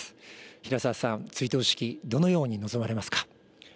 平澤さん、追悼式、どのように臨まれますか。